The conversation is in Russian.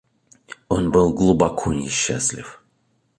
Он был глубоко несчастлив.